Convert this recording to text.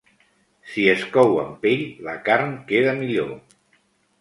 Si es cou amb pell, la carn queda millor.